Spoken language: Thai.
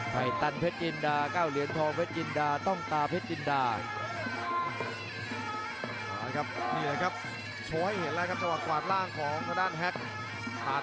ให้ตันเพชรจินดาเก้าเหรียญทองเพชรจินดาต้องตาเพชรจินดา